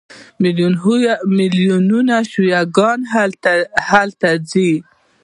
میلیونونه شیعه ګان هلته ځي.